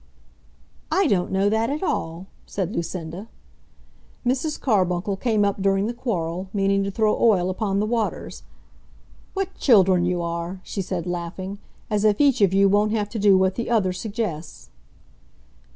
"I don't know that at all," said Lucinda. Mrs. Carbuncle came up during the quarrel, meaning to throw oil upon the waters. "What children you are!" she said laughing. "As if each of you won't have to do what the other suggests."